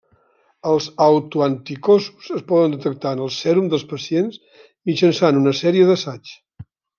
Els autoanticossos es poden detectar en el sèrum dels pacients mitjançant una sèrie d'assaigs.